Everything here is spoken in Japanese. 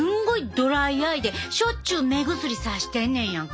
ドライアイでしょっちゅう目薬さしてんねんやんか。